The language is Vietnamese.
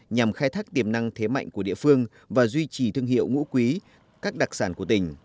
nhằm khai thác tiềm năng thế mạnh của địa phương và duy trì thương hiệu ngũ quý các đặc sản của tỉnh